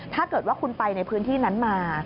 ถ้าเกิดว่าคุณไปในพื้นที่นั้นมา